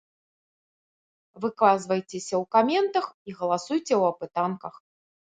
Выказвайцеся ў каментах і галасуйце ў апытанках!